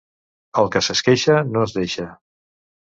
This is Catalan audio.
El que s'esqueixa no es deixa.